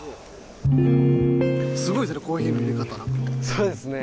そうですね。